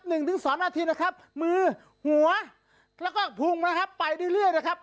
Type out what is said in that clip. หนึ่งถึงสองนาทีนะครับมือหัวแล้วก็พุงนะครับไปเรื่อยเรื่อยนะครับ